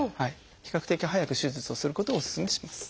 比較的早く手術をすることをお勧めします。